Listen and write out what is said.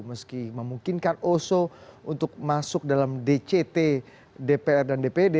meski memungkinkan oso untuk masuk dalam dct dpr dan dpd